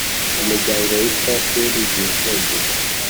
Umuryango witwa ishuri ryisumbuye